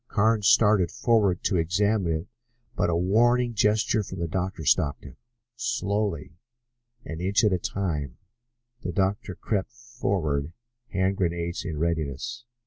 Carnes started forward to examine it, but a warning gesture from the doctor stopped him. Slowly, an inch at a time, the doctor crept forward, hand grenades in readiness.